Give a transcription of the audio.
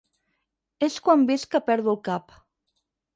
És quan visc que perdo el cap.